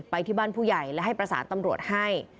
ไปที่บ้านผู้ใหญ่และให้ประสานตำรวจให้